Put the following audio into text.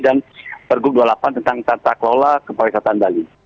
dan pergug dua puluh delapan tentang tata kelola keperwisataan bali